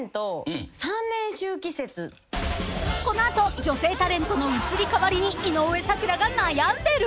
［この後女性タレントの移り変わりに井上咲楽が悩んでる？］